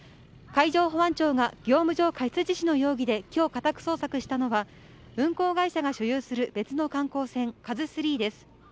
海上保安庁が業務上過失致死の容疑できょう家宅捜索したのは、運航会社が所有する別の観光船、カズスリーです。